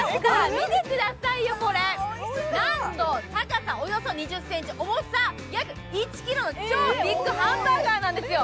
見てくださいよこれ、なんと高さおよそ２０ｃｍ、重さ約１ｋｇの超ビッグバーガーなんですよ。